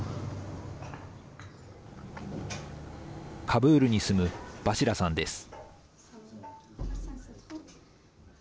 カブールに住むバシラさんです。